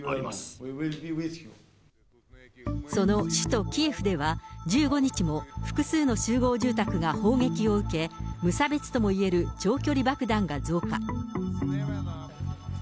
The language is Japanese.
その首都キエフでは、１５日も複数の集合住宅が砲撃を受け、無差別ともいえる長距離爆撃が増加。